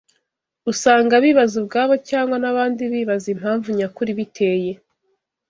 usanga bibaza ubwabo cyangwa n’abandi bibaza impamvu nyakuri ibiteye